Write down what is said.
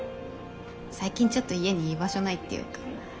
最近ちょっと家に居場所ないっていうか。